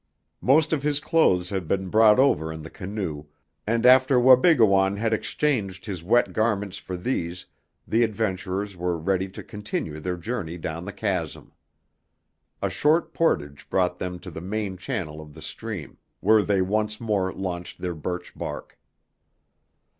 Most of his clothes had been brought over in the canoe, and after Wabigoon had exchanged his wet garments for these the adventurers were ready to continue their journey down the chasm. A short portage brought them to the main channel of the stream, where they once more launched their birch bark.